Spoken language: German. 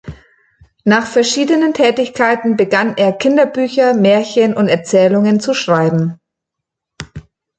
Nach verschiedenen Tätigkeiten begann er Kinderbücher, Märchen und Erzählungen zu schreiben.